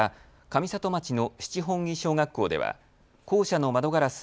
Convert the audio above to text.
上里町の七本木小学校では校舎の窓ガラス